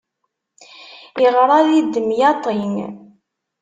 Iɣṛa di demyaṭi.